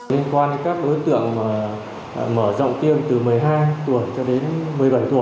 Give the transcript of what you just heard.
liên quan đến các đối tượng mở rộng tiêm từ một mươi hai tuổi cho đến một mươi bảy tuổi